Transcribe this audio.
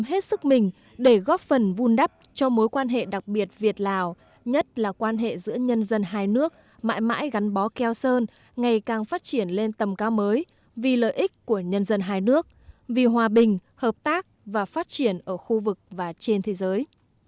hết sức mình để góp phần vun đắp cho mối quan hệ đặc biệt việt lào nhất là quan hệ giữa nhân dân hai nước mãi mãi gắn bó keo sơn ngày càng phát triển lên tầm cao mới vì lợi ích của nhân dân hai nước vì hòa bình hợp tác và phát triển ở khu vực và trên thế giới